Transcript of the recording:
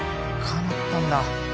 かなったんだ。